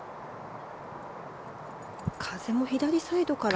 風も左サイドから。